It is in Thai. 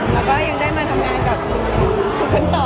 แล้วก็ยังได้มาทำงานกับทุกคนต่อ